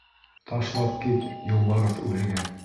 Ташлап кит юлбарыҫ үлеген!